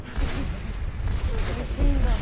おいしいんだな。